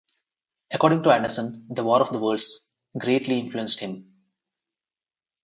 According to Anderson, "The War of the Worlds" greatly influenced him.